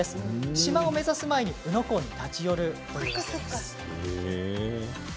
島を目指す前に宇野港に立ち寄るんです。